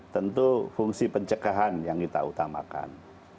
tentu fungsi pencegahan yang kita utamakan